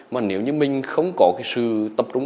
mà nếu như mình không có cái sự tập trung